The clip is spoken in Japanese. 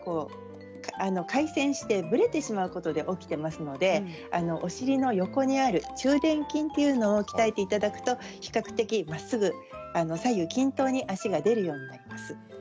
それで体がぶれてしまうことで起きてきますのでお尻の横にある中でん筋というものを鍛えていただくと比較的まっすぐ左右均等に足が出るようになります。